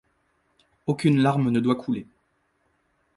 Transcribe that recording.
Aucune larme ne doit couler.